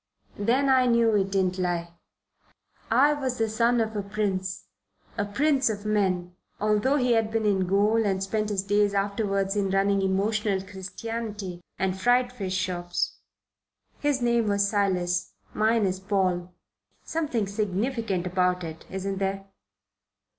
Then I knew it didn't lie. I was the son of a prince, a prince of men, although he had been in gaol and spent his days afterwards in running emotional Christianity and fried fish shops. His name was Silas. Mine is Paul. Something significant about it, isn't there?